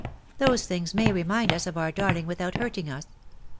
Those things may remind us of our darling without hurting us.